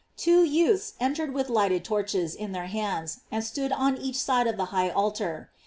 Two youths entered with lighted torches in their hands, ,and stood on each side of the high altar.